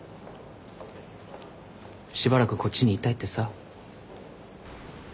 しばらくこっちにいたいってさ。